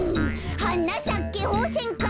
「はなさけホウセンカ」